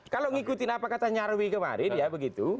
kalau ngikutin apa kata nyarwi kemarin